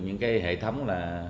những hệ thống